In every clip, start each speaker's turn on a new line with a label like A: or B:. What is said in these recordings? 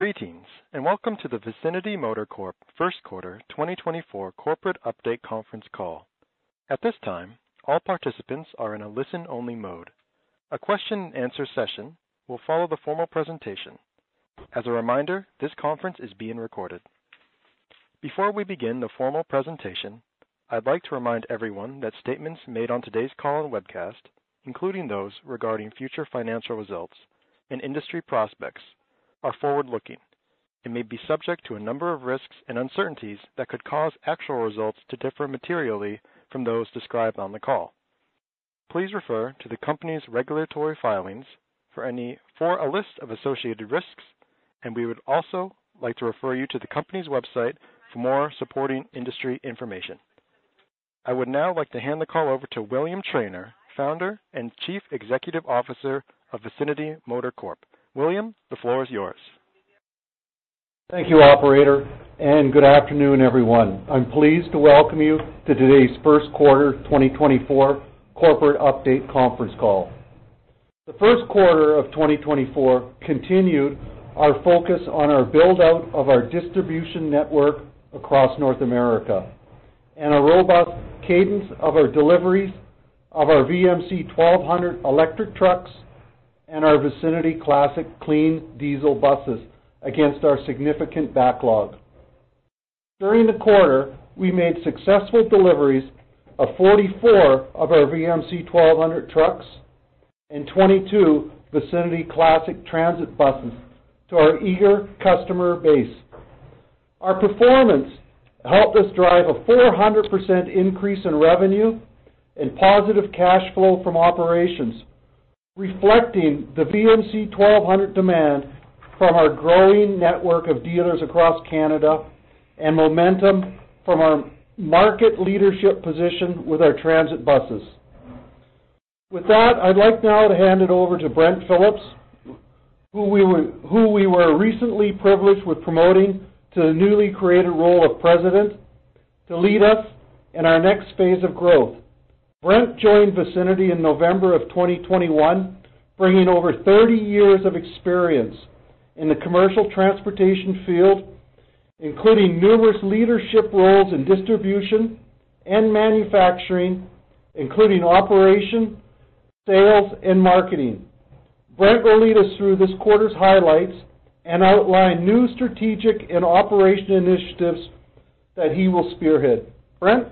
A: Greetings, and welcome to the Vicinity Motor Corp First Quarter 2024 Corporate Update Conference Call. At this time, all participants are in a listen-only mode. A question-and-answer session will follow the formal presentation. As a reminder, this conference is being recorded. Before we begin the formal presentation, I'd like to remind everyone that statements made on today's call and webcast, including those regarding future financial results and industry prospects, are forward-looking and may be subject to a number of risks and uncertainties that could cause actual results to differ materially from those described on the call. Please refer to the company's regulatory filings for a list of associated risks, and we would also like to refer you to the company's website for more supporting industry information. I would now like to hand the call over to William Trainer, Founder and Chief Executive Officer of Vicinity Motor Corp. William, the floor is yours.
B: Thank you, operator, and good afternoon, everyone. I'm pleased to welcome you to today's first quarter 2024 corporate update conference call. The first quarter of 2024 continued our focus on our build-out of our distribution network across North America, and a robust cadence of our deliveries of our VMC 1200 electric trucks and our Vicinity Classic clean diesel buses against our significant backlog. During the quarter, we made successful deliveries of 44 of our VMC 1200 trucks and 22 Vicinity Classic transit buses to our eager customer base. Our performance helped us drive a 400% increase in revenue and positive cash flow from operations, reflecting the VMC 1200 demand from our growing network of dealers across Canada and momentum from our market leadership position with our transit buses. With that, I'd like now to hand it over to Brent Phillips, who we were recently privileged with promoting to the newly created role of president to lead us in our next phase of growth. Brent joined Vicinity in November 2021, bringing over 30 years of experience in the commercial transportation field, including numerous leadership roles in distribution and manufacturing, including operation, sales, and marketing. Brent will lead us through this quarter's highlights and outline new strategic and operational initiatives that he will spearhead. Brent?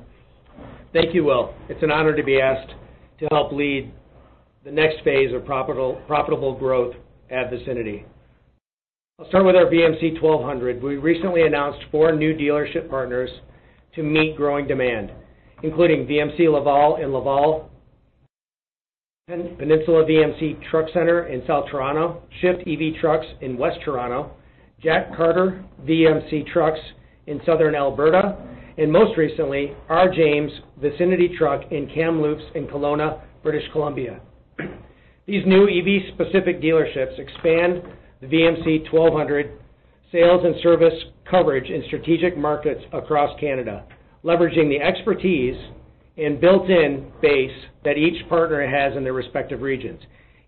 C: Thank you, Will. It's an honor to be asked to help lead the next phase of profitable, profitable growth at Vicinity. I'll start with our VMC 1200. We recently announced four new dealership partners to meet growing demand, including VMC Laval in Laval, Peninsula VMC Truck Centre in South Toronto, Shift EV Trucks in West Toronto, Jack Carter VMC Trucks in Southern Alberta, and most recently, R. James Vicinity Truck in Kamloops, in Kelowna, British Columbia. These new EV-specific dealerships expand the VMC 1200 sales and service coverage in strategic markets across Canada, leveraging the expertise and built-in base that each partner has in their respective regions.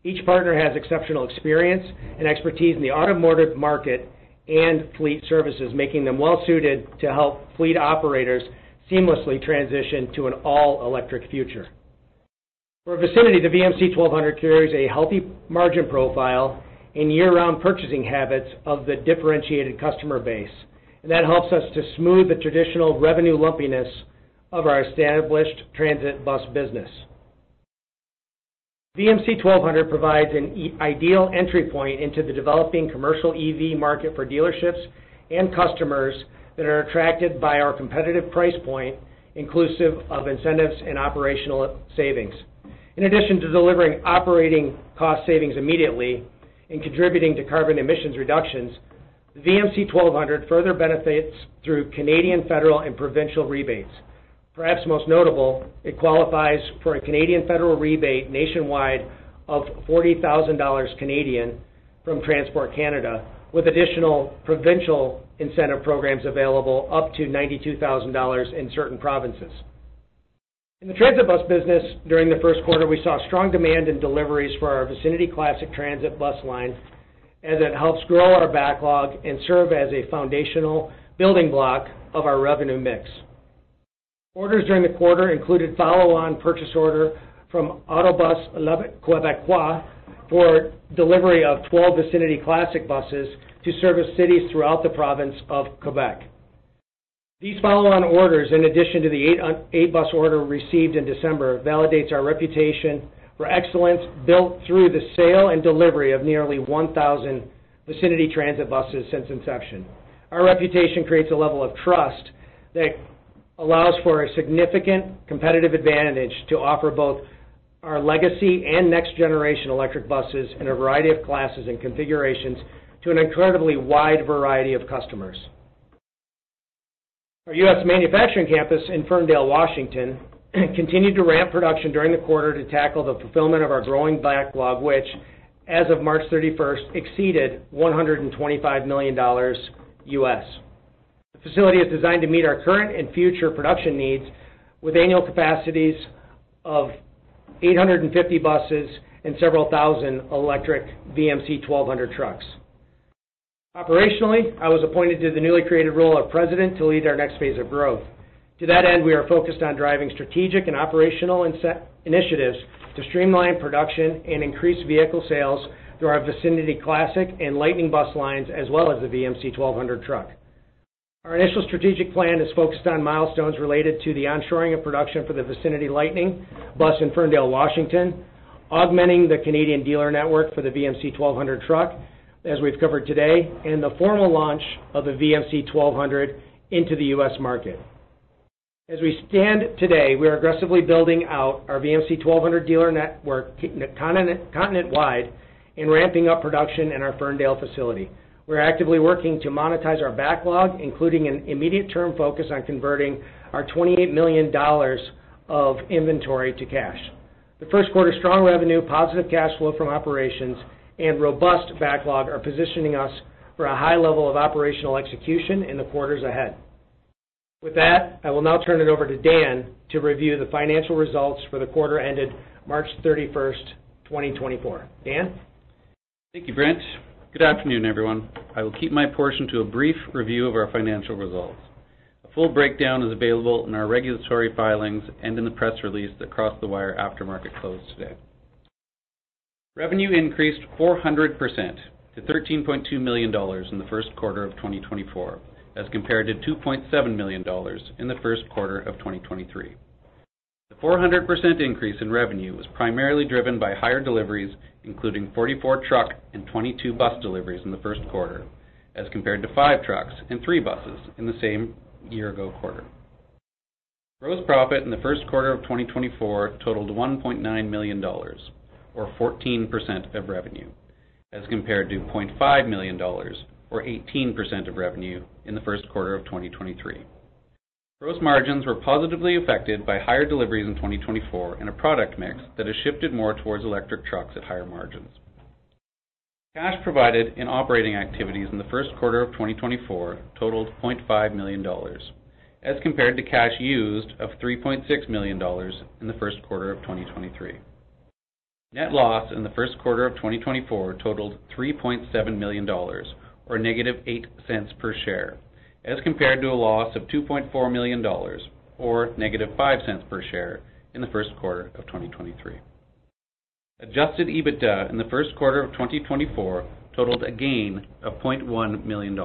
C: Each partner has exceptional experience and expertise in the automotive market and fleet services, making them well-suited to help fleet operators seamlessly transition to an all-electric future. For Vicinity, the VMC 1200 carries a healthy margin profile and year-round purchasing habits of the differentiated customer base, and that helps us to smooth the traditional revenue lumpiness of our established transit bus business. VMC 1200 provides an ideal entry point into the developing commercial EV market for dealerships and customers that are attracted by our competitive price point, inclusive of incentives and operational savings. In addition to delivering operating cost savings immediately and contributing to carbon emissions reductions, the VMC 1200 further benefits through Canadian federal and provincial rebates. Perhaps most notable, it qualifies for a Canadian federal rebate nationwide of 40,000 Canadian dollars from Transport Canada, with additional provincial incentive programs available up to 92,000 dollars in certain provinces. In the transit bus business, during the first quarter, we saw strong demand in deliveries for our Vicinity Classic Transit bus line, as it helps grow our backlog and serve as a foundational building block of our revenue mix. Orders during the quarter included follow-on purchase order from Autobus La Québécoise for delivery of 12 Vicinity Classic buses to service cities throughout the province of Quebec. These follow-on orders, in addition to the 8, 8-bus order received in December, validates our reputation for excellence built through the sale and delivery of nearly 1,000 Vicinity Transit buses since inception. Our reputation creates a level of trust that allows for a significant competitive advantage to offer both our legacy and next-generation electric buses in a variety of classes and configurations to an incredibly wide variety of customers. Our US manufacturing campus in Ferndale, Washington, continued to ramp production during the quarter to tackle the fulfillment of our growing backlog, which, as of March thirty-first, exceeded $125 million.... The facility is designed to meet our current and future production needs, with annual capacities of 850 buses and several thousand electric VMC 1200 trucks. Operationally, I was appointed to the newly created role of president to lead our next phase of growth. To that end, we are focused on driving strategic and operational initiatives to streamline production and increase vehicle sales through our Vicinity Classic and Lightning bus lines, as well as the VMC 1200 truck. Our initial strategic plan is focused on milestones related to the onshoring of production for the Vicinity Lightning bus in Ferndale, Washington, augmenting the Canadian dealer network for the VMC 1200 truck, as we've covered today, and the formal launch of the VMC 1200 into the U.S. market. As we stand today, we are aggressively building out our VMC 1200 dealer network, continent-wide, and ramping up production in our Ferndale facility. We're actively working to monetize our backlog, including an immediate-term focus on converting our $28 million of inventory to cash. The first quarter, strong revenue, positive cash flow from operations, and robust backlog are positioning us for a high level of operational execution in the quarters ahead. With that, I will now turn it over to Dan to review the financial results for the quarter ended March 31, 2024. Dan?
D: Thank you, Brent. Good afternoon, everyone. I will keep my portion to a brief review of our financial results. A full breakdown is available in our regulatory filings and in the press release that crossed the wire after market close today. Revenue increased 400% to $13.2 million in the first quarter of 2024, as compared to $2.7 million in the first quarter of 2023. The 400% increase in revenue was primarily driven by higher deliveries, including 44 truck and 22 bus deliveries in the first quarter, as compared to five trucks and three buses in the same year-ago quarter. Gross profit in the first quarter of 2024 totaled $1.9 million, or 14% of revenue, as compared to $0.5 million or 18% of revenue in the first quarter of 2023. Gross margins were positively affected by higher deliveries in 2024 and a product mix that has shifted more towards electric trucks at higher margins. Cash provided in operating activities in the first quarter of 2024 totaled $0.5 million, as compared to cash used of $3.6 million in the first quarter of 2023. Net loss in the first quarter of 2024 totaled $3.7 million, or -8 cents per share, as compared to a loss of $2.4 million, or -5 cents per share in the first quarter of 2023. Adjusted EBITDA in the first quarter of 2024 totaled a gain of $0.1 million,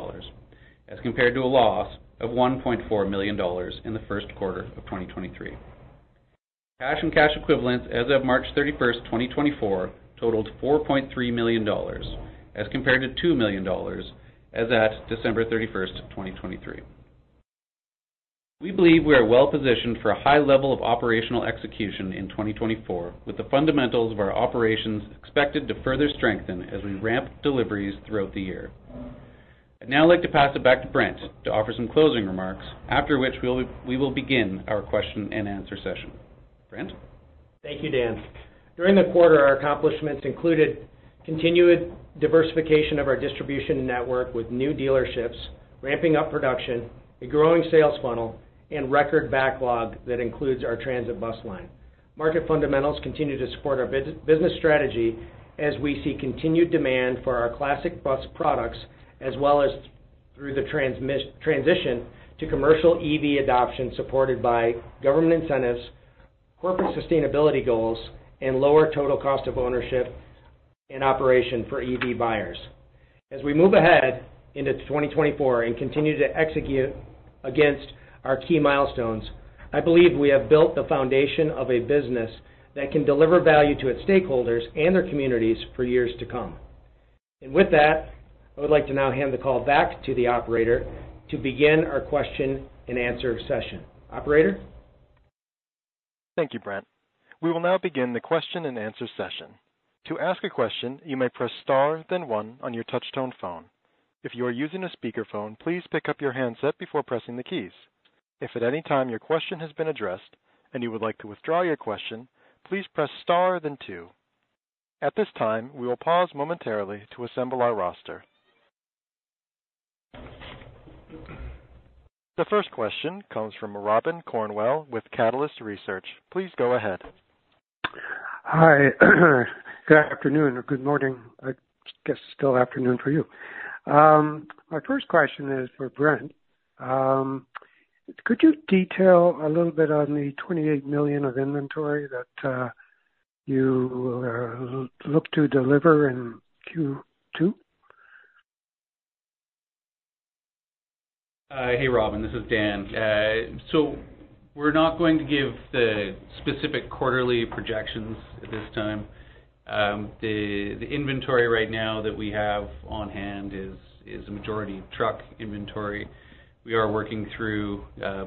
D: as compared to a loss of $1.4 million in the first quarter of 2023. Cash and cash equivalents as of March 31, 2024, totaled $4.3 million, as compared to $2 million as at December 31, 2023. We believe we are well positioned for a high level of operational execution in 2024, with the fundamentals of our operations expected to further strengthen as we ramp deliveries throughout the year. I'd now like to pass it back to Brent to offer some closing remarks, after which we will, we will begin our question and answer session. Brent?
C: Thank you, Dan. During the quarter, our accomplishments included continued diversification of our distribution network with new dealerships, ramping up production, a growing sales funnel, and record backlog that includes our transit bus line. Market fundamentals continue to support our bus business strategy as we see continued demand for our classic bus products, as well as through the transition to commercial EV adoption, supported by government incentives, corporate sustainability goals, and lower total cost of ownership and operation for EV buyers. As we move ahead into 2024 and continue to execute against our key milestones, I believe we have built the foundation of a business that can deliver value to its stakeholders and their communities for years to come. And with that, I would like to now hand the call back to the operator to begin our question and answer session. Operator?
A: Thank you, Brent. We will now begin the question and answer session. To ask a question, you may press star, then one on your touch-tone phone. If you are using a speakerphone, please pick up your handset before pressing the keys. If at any time your question has been addressed and you would like to withdraw your question, please press star, then two. At this time, we will pause momentarily to assemble our roster. The first question comes from Robin Cornwell with Catalyst Research. Please go ahead.
E: Hi. Good afternoon or good morning. I guess still afternoon for you. My first question is for Brent. Could you detail a little bit on the $28 million of inventory that you look to deliver in Q2?
D: Hey, Robin, this is Dan. So we're not going to give the specific quarterly projections at this time. The inventory right now that we have on hand is a majority truck inventory. We are working through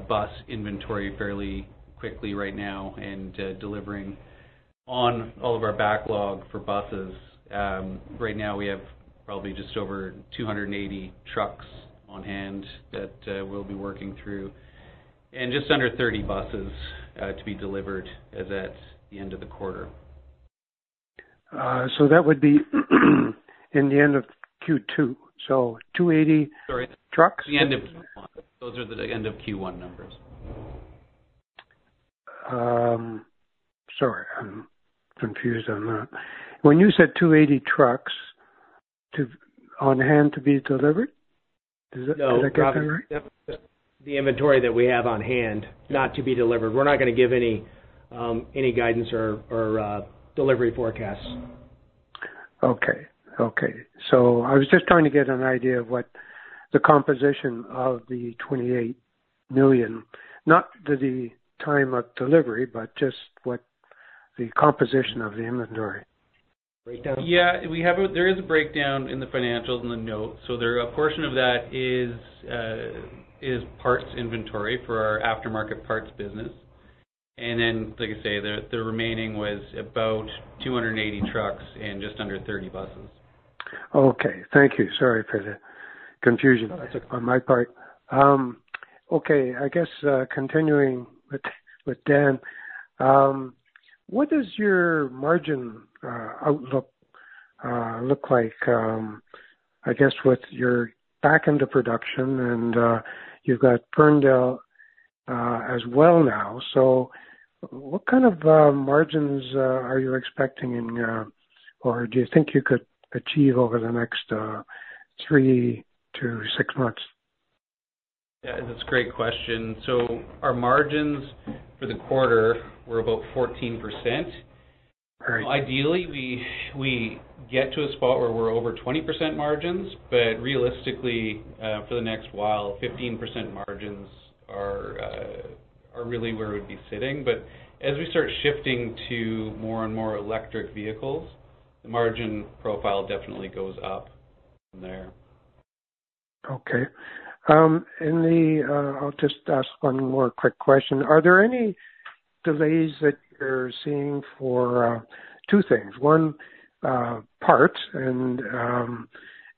D: bus inventory fairly quickly right now and delivering on all of our backlog for buses. Right now we have probably just over 280 trucks on hand that we'll be working through, and just under 30 buses to be delivered as at the end of the quarter. ...
E: so that would be in the end of Q2, so 280 trucks?
C: Sorry, the end of Q1. Those are the end of Q1 numbers.
E: Sorry, I'm confused on that. When you said 280 trucks to, on hand to be delivered? Does that sound right?
C: No, Robin, the inventory that we have on hand, not to be delivered. We're not going to give any guidance or delivery forecasts.
E: Okay. Okay. So I was just trying to get an idea of what the composition of the 28 million, not the time of delivery, but just what the composition of the inventory breakdown.
D: Yeah, we have a breakdown in the financials and the notes. So there, a portion of that is parts inventory for our aftermarket parts business. And then, like I say, the remaining was about 280 trucks and just under 30 buses.
E: Okay. Thank you. Sorry for the confusion on my part. Okay, I guess, continuing with Dan, what does your margin outlook look like, I guess with your back into production and, you've got Ferndale, as well now. So what kind of margins are you expecting in, or do you think you could achieve over the next three to six months?
D: Yeah, that's a great question. Our margins for the quarter were about 14%.
E: All right.
D: Ideally, we get to a spot where we're over 20% margins, but realistically, for the next while, 15% margins are really where it would be sitting. But as we start shifting to more and more electric vehicles, the margin profile definitely goes up from there.
E: Okay. I'll just ask one more quick question. Are there any delays that you're seeing for two things? One, parts and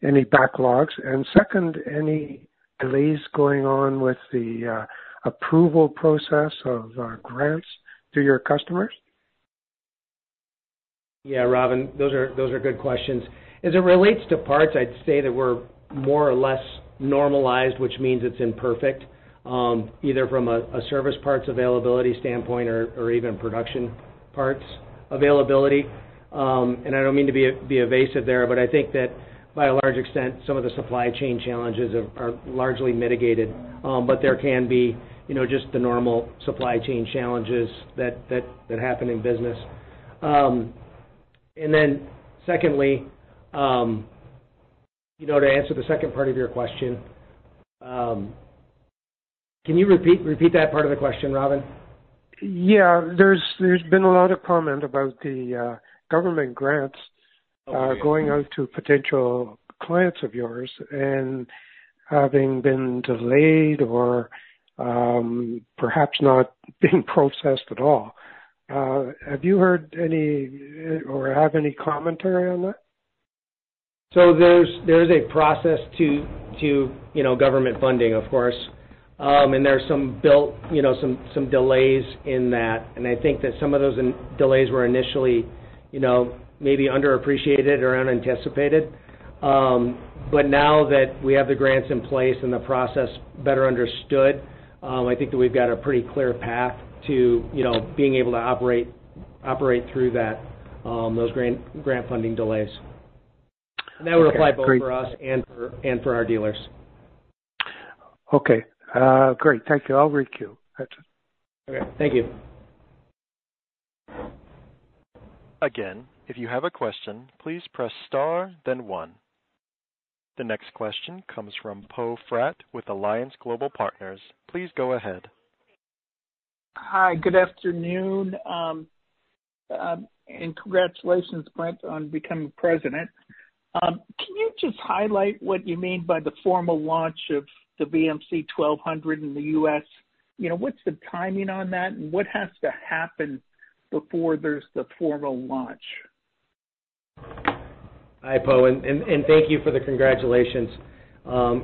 E: any backlogs, and second, any delays going on with the approval process of grants to your customers?
C: Yeah, Robin, those are good questions. As it relates to parts, I'd say that we're more or less normalized, which means it's imperfect, either from a service parts availability standpoint or even production parts availability. And I don't mean to be evasive there, but I think that by a large extent, some of the supply chain challenges are largely mitigated. But there can be, you know, just the normal supply chain challenges that happen in business. And then secondly, you know, to answer the second part of your question, can you repeat that part of the question, Robin?
E: Yeah. There's been a lot of comment about the government grants going out to potential clients of yours and having been delayed or perhaps not being processed at all. Have you heard any or have any commentary on that?
C: So there's a process to, you know, government funding, of course. There's some built-in, you know, delays in that. I think that some of those delays were initially, you know, maybe underappreciated or unanticipated. But now that we have the grants in place and the process better understood, I think that we've got a pretty clear path to, you know, being able to operate through that, those grant funding delays.
E: Okay, great.
C: And that would apply both for us and for our dealers.
E: Okay, great. Thank you. I'll queue. That's it.
C: Okay. Thank you.
A: Again, if you have a question, please press star, then one. The next question comes from Poe Fratt with Alliance Global Partners. Please go ahead.
F: Hi, good afternoon. Congratulations, Brent, on becoming president. Can you just highlight what you mean by the formal launch of the VMC 1200 in the U.S.? You know, what's the timing on that, and what has to happen before there's the formal launch?
C: Hi, Poe, and thank you for the congratulations.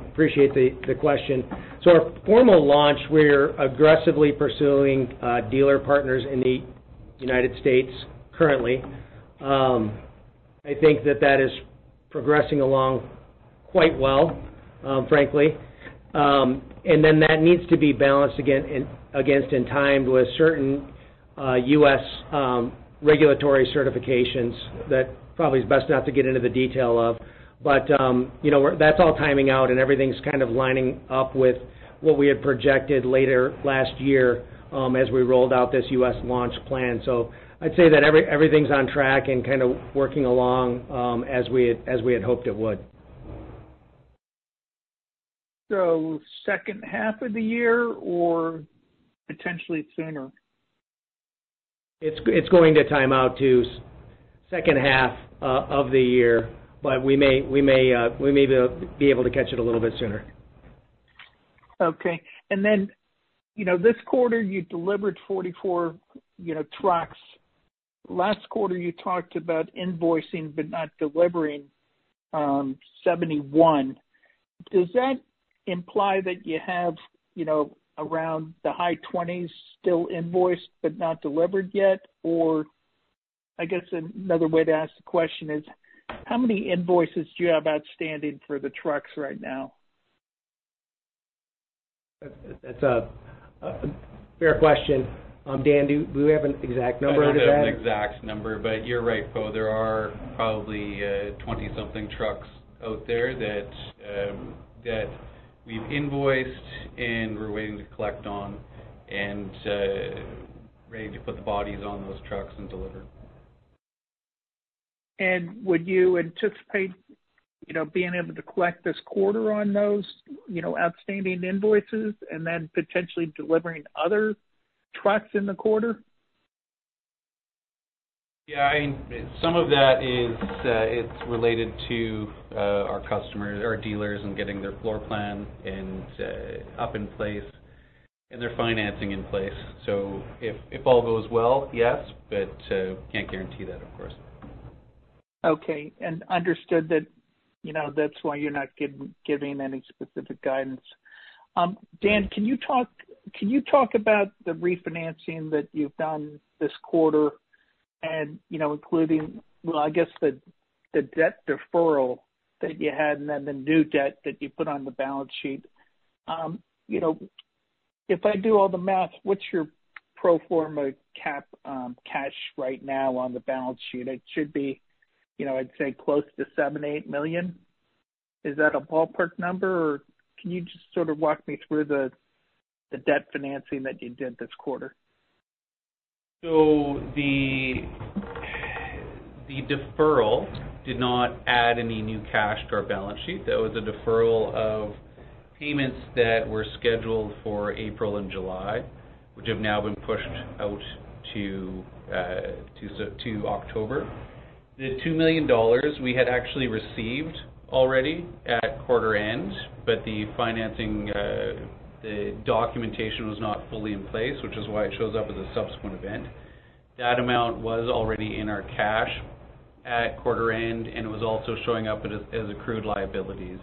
C: Appreciate the question. So our formal launch, we're aggressively pursuing dealer partners in the United States currently. I think that that is progressing along quite well, frankly. And then that needs to be balanced again against and timed with certain U.S. regulatory certifications that probably is best not to get into the detail of. But you know, we're, that's all timing out, and everything's kind of lining up with what we had projected later last year as we rolled out this U.S. launch plan. So I'd say that everything's on track and kind of working along as we had hoped it would.
F: So second half of the year or potentially sooner?
C: It's going to time out to the second half of the year, but we may be able to catch it a little bit sooner.
F: Okay. And then, you know, this quarter, you delivered 44, you know, trucks. Last quarter, you talked about invoicing, but not delivering, 71. Does that imply that you have, you know, around the high 20s still invoiced but not delivered yet? Or I guess another way to ask the question is, how many invoices do you have outstanding for the trucks right now?
C: That's a fair question. Dan, do we have an exact number on that?
D: I don't have an exact number, but you're right, Poe, there are probably 20-something trucks out there that we've invoiced, and we're waiting to collect on and ready to put the bodies on those trucks and deliver.
F: Would you anticipate, you know, being able to collect this quarter on those, you know, outstanding invoices and then potentially delivering other trucks in the quarter?
D: Yeah, some of that is, it's related to our customers or dealers and getting their floor plan up in place and their financing in place. So if all goes well, yes, but can't guarantee that, of course.
F: Okay. Understood that, you know, that's why you're not giving any specific guidance. Dan, can you talk about the refinancing that you've done this quarter? And, you know, including, well, I guess, the debt deferral that you had, and then the new debt that you put on the balance sheet. You know, if I do all the math, what's your pro forma cash right now on the balance sheet? It should be, you know, I'd say close to $7-8 million. Is that a ballpark number, or can you just sort of walk me through the debt financing that you did this quarter?
D: So the deferral did not add any new cash to our balance sheet. That was a deferral of payments that were scheduled for April and July, which have now been pushed out to September to October. The $2 million we had actually received already at quarter end, but the financing, the documentation was not fully in place, which is why it shows up as a subsequent event. That amount was already in our cash at quarter end, and it was also showing up as accrued liabilities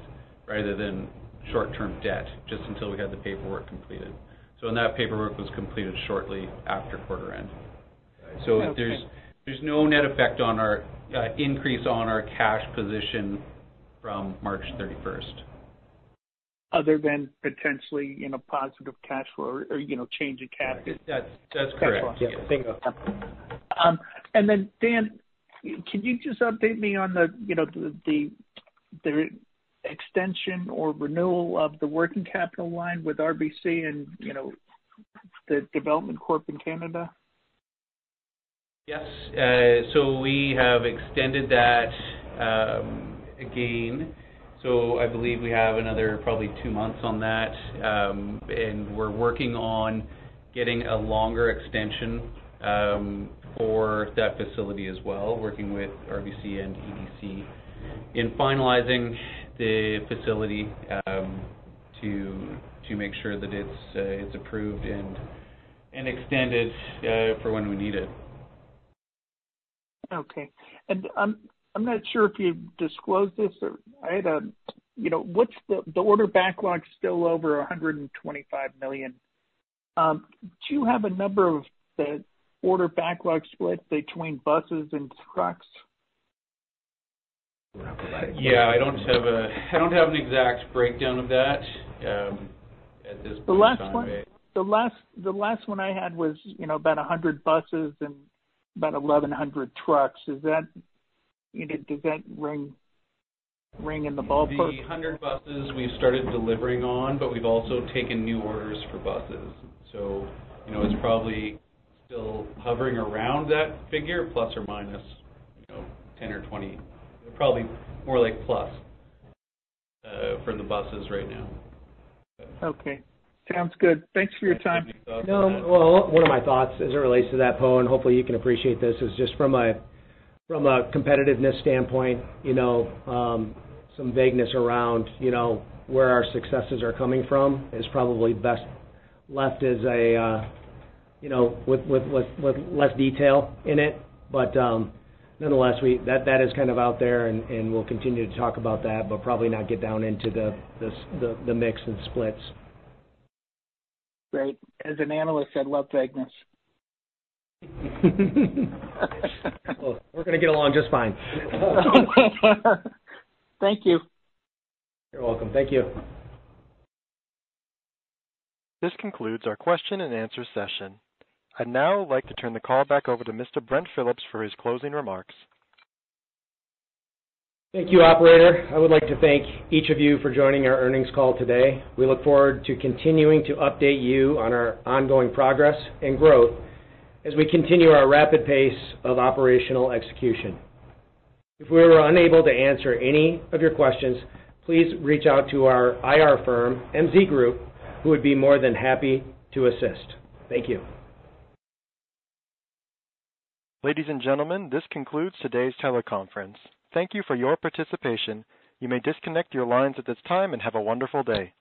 D: rather than short-term debt, just until we had the paperwork completed. So and that paperwork was completed shortly after quarter end.
F: Okay.
D: So there's no net effect on our increase on our cash position from March 31st.
F: Other than potentially, you know, positive cash flow or, you know, change in cash.
D: That's correct.
C: Thanks a lot.
D: Yeah.
F: And then, Dan, can you just update me on the, you know, the extension or renewal of the working capital line with RBC and, you know, Export Development Canada?
D: Yes. So we have extended that, again. So I believe we have another probably two months on that. And we're working on getting a longer extension, for that facility as well, working with RBC and EDC in finalizing the facility, to, to make sure that it's, it's approved and, and extended, for when we need it.
F: Okay. I'm not sure if you've disclosed this, you know, what's the order backlog's still over $125 million. Do you have a number of the order backlog split between buses and trucks?
D: Yeah, I don't have an exact breakdown of that, at this point in time.
F: The last one I had was, you know, about 100 buses and about 1,100 trucks. Is that, you know, does that ring in the ballpark?
D: The 100 buses we've started delivering on, but we've also taken new orders for buses. So, you know, it's probably still hovering around that figure, plus or minus, you know, 10 or 20, probably more like plus, for the buses right now.
F: Okay, sounds good. Thanks for your time.
D: Thanks.
C: No, well, one of my thoughts as it relates to that, Poe, and hopefully you can appreciate this, is just from a, from a competitiveness standpoint, you know, some vagueness around, you know, where our successes are coming from, is probably best left as a, you know, with, with, with, with less detail in it. But, nonetheless, that is kind of out there, and we'll continue to talk about that, but probably not get down into the mix and splits.
F: Great. As an analyst, I love vagueness.
C: Well, we're gonna get along just fine.
F: Thank you.
C: You're welcome. Thank you.
A: This concludes our question and answer session. I'd now like to turn the call back over to Mr. Brent Phillips for his closing remarks.
C: Thank you, operator. I would like to thank each of you for joining our earnings call today. We look forward to continuing to update you on our ongoing progress and growth as we continue our rapid pace of operational execution. If we were unable to answer any of your questions, please reach out to our IR firm, MZ Group, who would be more than happy to assist. Thank you.
A: Ladies and gentlemen, this concludes today's teleconference. Thank you for your participation. You may disconnect your lines at this time, and have a wonderful day.